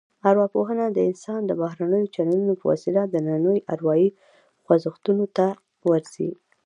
ارواپوهنه د انسان د بهرنیو چلنونو په وسیله دنننیو اروايي خوځښتونو ته ورځي